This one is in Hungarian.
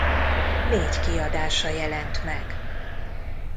Négy kiadása jelent meg.